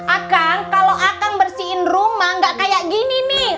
akang kalau akang bersihin rumah gak kayak gini nih